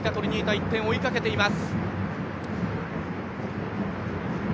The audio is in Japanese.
１点を追いかけています。